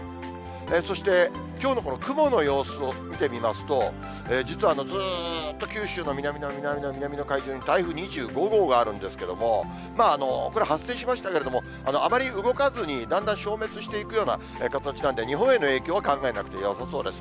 そしてきょうのこの雲の様子を見てみますと、実はずっと九州の南の南の南の海上に台風２５号があるんですけれども、これ、発生しましたけれども、あまり動かずにだんだん消滅していくような形なんで、日本への影響は考えなくてよさそうです。